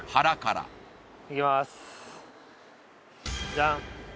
ジャン！